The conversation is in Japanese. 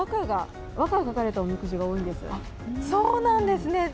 そうなんですね。